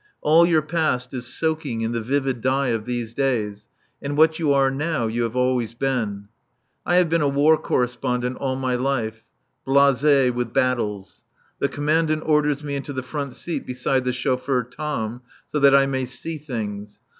All your past is soaking in the vivid dye of these days, and what you are now you have been always. I have been a War Correspondent all my life blasée with battles. The Commandant orders me into the front seat beside the chauffeur Tom, so that I may see things.